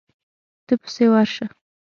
ته پسې ورشه.